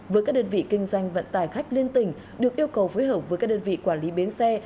với các đơn vị kinh doanh vận tải khách liên tỉnh được yêu cầu phối hợp với các đơn vị quản lý bến xe